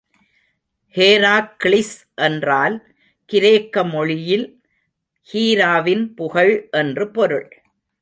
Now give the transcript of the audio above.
Herakles என்றால் கிரேக்க மொழியில் ஹீராவின் புகழ் என்று பொருள்.